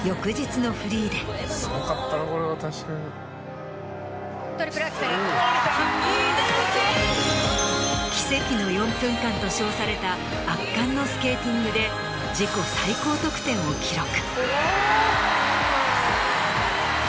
・トリプルアクセル・と称された圧巻のスケーティングで自己最高得点を記録。